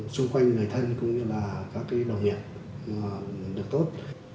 xung quanh người thân cũng như là các đồng nghiệp được tốt